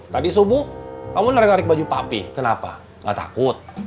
tadi subuh kamu lari lari ke baju papi kenapa gak takut